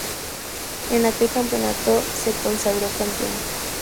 En aquel campeonato se consagró campeón.